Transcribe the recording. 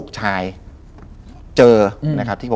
ใช่ครับ